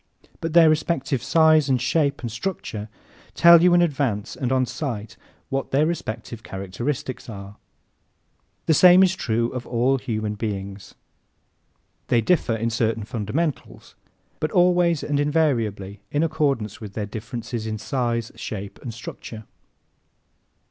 But their respective size, shape and structure tell you in advance and on sight what their respective characteristics are. The same is true of all human beings. They differ in certain fundamentals but always and invariably in accordance with their differences in size, shape and structure.